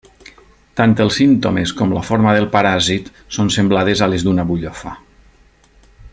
Tant els símptomes com la forma del paràsit són semblades a les d'una butllofa.